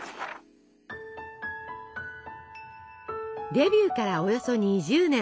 デビューからおよそ２０年。